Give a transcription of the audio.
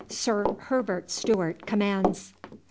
Sir Herbert Stewart commands."